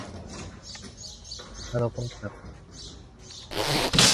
나도 꼼짝을 못 하였습니다.